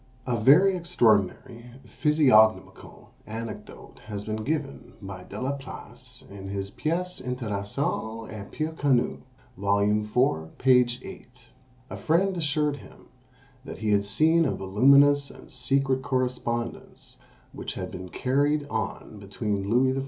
A very extraordinary physiognomical anecdote has been given by De la Place, in his "Pièces Intéressantes et peu Connues," vol. iv. p. 8. A friend assured him that he had seen a voluminous and secret correspondence which had been carried on between Louis XIV.